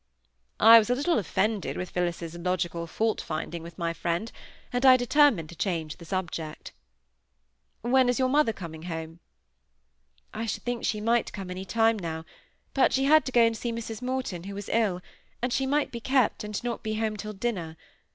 I was a little offended with Phillis's logical fault finding with my friend; and I determined to change the subject. "When is your mother coming home?" "I should think she might come any time now; but she had to go and see Mrs Morton, who was ill, and she might be kept, and not be home till dinner.